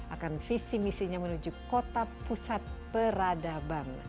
akan visi misinya menuju kota pusat peradaban